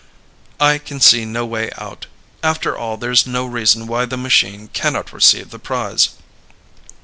I can see no way out. After all, there's no reason why the machine cannot receive the prize.